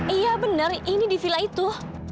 iya benar ini di villa itu